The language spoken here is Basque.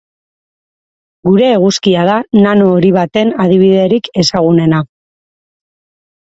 Gure eguzkia da nano hori baten adibiderik ezagunena.